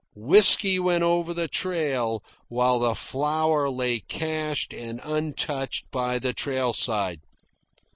Whisky went over the trail, while the flour lay cached and untouched by the trail side.